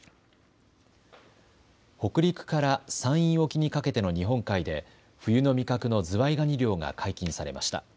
北陸から山陰沖にかけての日本海で冬の味覚のズワイガニ漁が解禁されました。